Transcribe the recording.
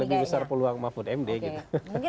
lebih besar peluang mahfud md gitu